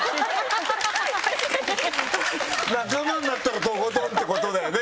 仲間になったらとことんってことだよね？